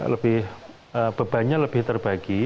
lebih bebannya lebih terbagi